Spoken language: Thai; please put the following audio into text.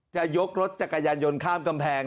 จะยกรถจากกายันโยนข้ามกำแพง